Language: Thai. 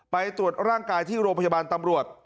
ไปตรวจร่างกายที่โรงพยาบาลตำรวจ